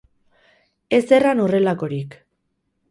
Ez erran horrelakorik.